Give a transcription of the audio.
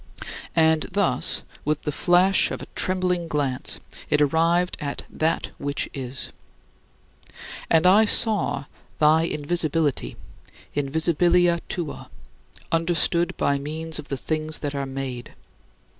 And thus with the flash of a trembling glance, it arrived at that which is. And I saw thy invisibility [invisibilia tua] understood by means of the things that are made.